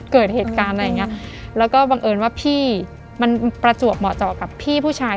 เกิดเหตุการณ์อะไรอย่างเงี้ยแล้วก็บังเอิญว่าพี่มันประจวบเหมาะต่อกับพี่ผู้ชาย